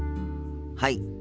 はい。